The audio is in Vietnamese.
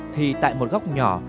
thì tại một góc nhỏ